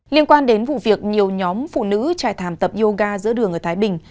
liên quan đến vụ việc nhiều nhóm phụ nữ trải thảm tập yoga giữa đường ở thái bình